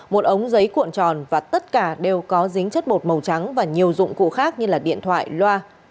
một ống giấy cuộn tròn và tất cả đều có dính chất bột màu trắng và nhiều dụng cụ khác như điện thoại loa